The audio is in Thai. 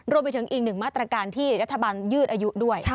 รวมไปถึงอีกหนึ่งมาตรการที่รัฐบาลยืดอายุด้วย